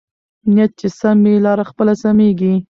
نیت چې سم وي، لاره پخپله سمېږي.